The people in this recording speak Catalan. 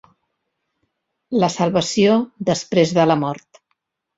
La salvació després de la mort.